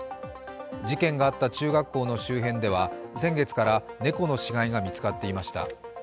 事件があった中学校の周辺では先月から猫の死骸が見つかっていました。